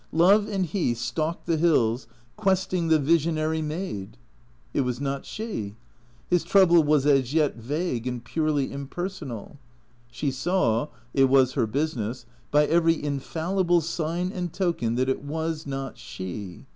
Love and he stalked the hills, questing the visionary maid. It was not she. His trouble was as yet vague and purely im personal. She saw (it was her business) by every infallible sign and token that it was not she.